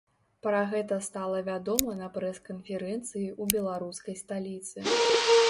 Пра гэта стала вядома на прэс-канферэнцыі ў беларускай сталіцы.